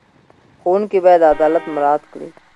ښوونکي باید عدالت مراعت کړي.